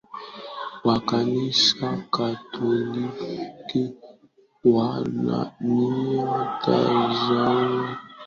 wa Kanisa Katoliki wahamie Tosamaganga na kuanza kazi yao kati ya WaheheHata wakati